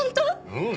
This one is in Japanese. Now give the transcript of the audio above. うん！